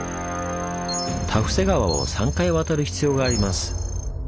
多布施川を３回渡る必要があります。